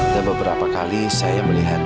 dan beberapa kali saya melihatnya